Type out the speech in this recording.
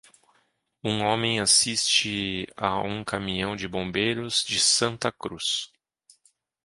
Um homem assiste a um caminhão de bombeiros de Santa Cruz.